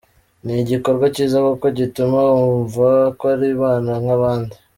Ni igikorwa cyiza kuko gituma bumva ko ari abana nk’abandi.